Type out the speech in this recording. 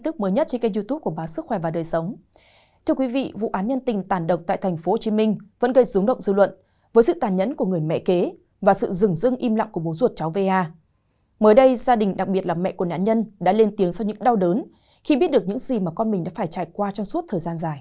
các bạn hãy đăng ký kênh để ủng hộ kênh của chúng mình nhé